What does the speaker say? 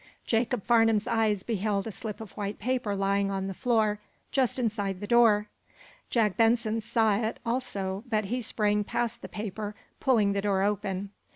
Jacob Farnum's eyes beheld a slip of white paper lying on the floor, just inside the door. Jack Benson saw it, also, but he sprang past the paper, pulling the door open.